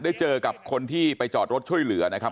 ได้เจอกับคนที่ไปจอดรถช่วยเหลือนะครับ